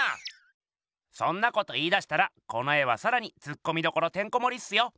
そんなこと言いだしたらこの絵はさらにツッコミどころてんこもりっすよ。